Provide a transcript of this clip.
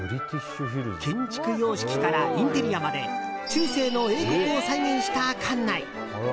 建築様式からインテリアまで中世の英国を再現した館内。